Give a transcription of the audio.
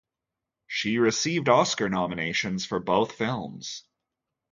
She received Oscar nominations for both films.